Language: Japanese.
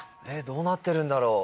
どうなってるんだろう？